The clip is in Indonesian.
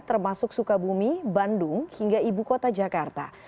termasuk sukabumi bandung hingga ibu kota jakarta